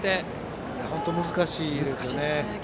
本当に難しいですよね。